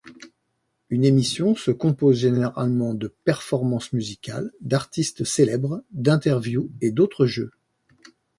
Une émission se compose généralement de performances musicales d'artistes célèbres, d'interviews et d'autres jeux.